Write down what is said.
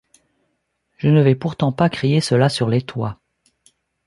Je ne vais pourtant pas crier cela sur les toits…